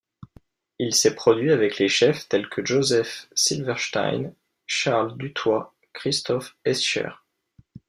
Il s'est produit avec les chefs tels que Joseph Silverstein, Charles Dutoit, Christof Escher.